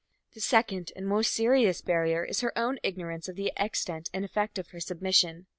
The second and more serious barrier is her own ignorance of the extent and effect of her submission.